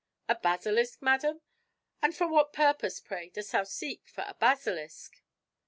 "A basilisk, madam! and for what purpose, pray, dost thou seek for a basilisk?"